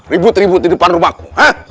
ribut ribut di depan rumahku